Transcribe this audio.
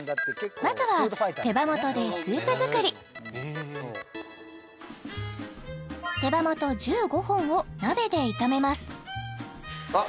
まずは手羽元でスープ作りを鍋で炒めますあっ